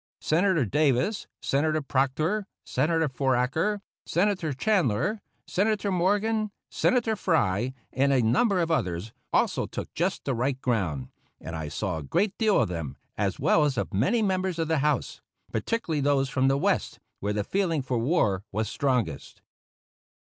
Senator Davis, Senator Proctor, Senator Foraker, Senator Chandler, Senator Morgan, Senator Frye, and a number of others also took just the right ground; and I saw a great deal of them, as well as of many members of the House, particularly those from the West, where the feeling for war was strongest.